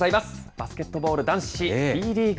バスケットボール男子Ｂリーグ。